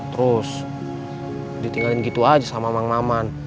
terus ditinggalin gitu aja sama mang maman